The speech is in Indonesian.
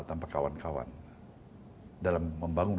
tanpa kawan kawan dalam membangun